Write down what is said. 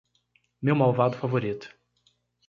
Meu malvado favorito